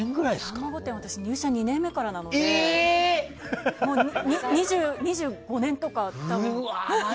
「さんま御殿！！」は入社２年目からなので２５年とか、多分。